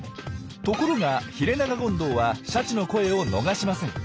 ところがヒレナガゴンドウはシャチの声を逃しません。